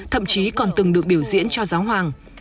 thậm chí còn từng được biểu diễn cho giáo hoàng